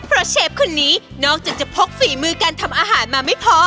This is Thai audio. เพราะเชฟคนนี้นอกจากจะพกฝีมือการทำอาหารมาไม่พอ